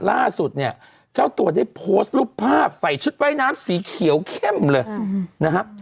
ล่าสุดเนี่ยเจ้าตัวได้โพสต์รูปภาพใส่ชุดว่ายน้ำสีเขียวเข้มเลยนะครับ